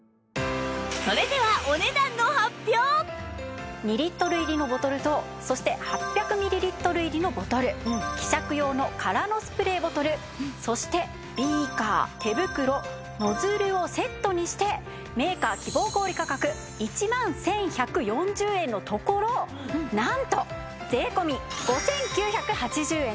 それでは２リットル入りのボトルとそして８００ミリリットル入りのボトル希釈用の空のスプレーボトルそしてビーカー手袋ノズルをセットにしてメーカー希望小売価格１万１１４０円のところなんと税込５９８０円です。